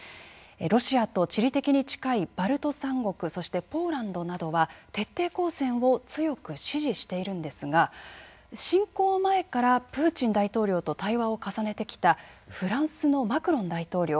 ロシアと地理的に近いバルト３国そしてポーランドなどは徹底抗戦を強く支持しているんですが侵攻前からプーチン大統領と対話を重ねてきたフランスのマクロン大統領。